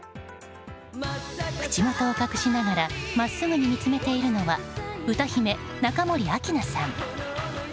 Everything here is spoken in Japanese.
口元を隠しながらまっすぐに見つめているのは歌姫・中森明菜さん。